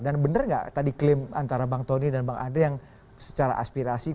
dan benar tidak tadi klaim antara bang tony dan bang andri yang secara aspirasi